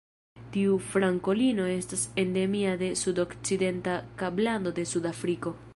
Tiu frankolino estas endemia de sudokcidenta Kablando de Sudafriko.